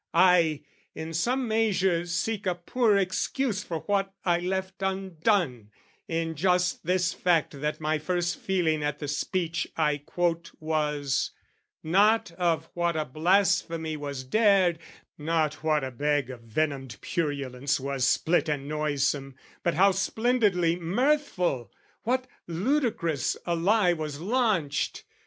I, in some measure, seek a poor excuse For what I left undone, in just this fact That my first feeling at the speech I quote Was not of what a blasphemy was dared, Not what a bag of venomed purulence Was split and noisome, but how splendidly Mirthful, what ludicrous a lie was launched!